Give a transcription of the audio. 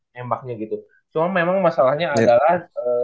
nembaknya gitu cuma memang masalahnya adalah